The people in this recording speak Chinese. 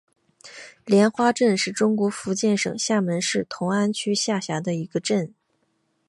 莲花镇是中国福建省厦门市同安区下辖的一个镇。